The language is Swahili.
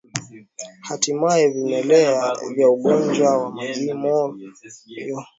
Hatimaye vimelea vya ugonjwa wa majimoyo hupelekwa kwa mnyama mwingine